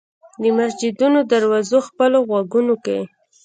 د مسجدونو دروازو خپلو غوږونو کې